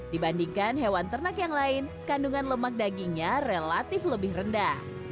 dibandingkan hewan ternak yang lain kandungan lemak dagingnya relatif lebih rendah